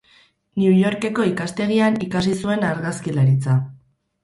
New Yorkeko ikastegian ikasi zuen argazkilaritza.